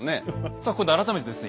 さあここで改めてですね